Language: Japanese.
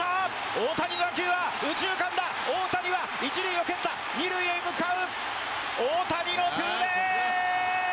大谷打球は右中間だ大谷は一塁を蹴った二塁へ向かう大谷のツーベース！